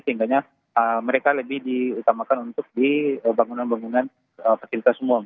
sehingga mereka lebih diutamakan untuk di bangunan bangunan fasilitas umum